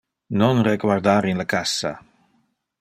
Non reguardar in le cassa.